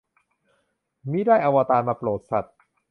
มิได้ อวตาร มาโปรดสัตว์